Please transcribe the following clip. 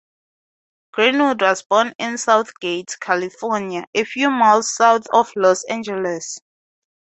Greenwood was born in South Gate, California, a few miles south of Los Angeles.